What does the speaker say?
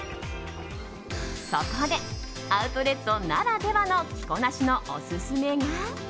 そこで、アウトレットならではの着こなしのオススメが。